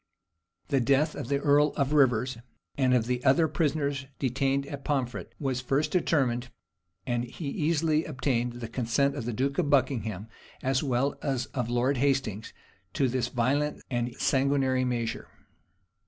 The death of the earl of Rivers, and of the other prisoners detained in Pomfret, was first determined; and he easily obtained the consent of the duke of Buckingham, as well as of Lord Hastings, to this violent and sanguinary measure.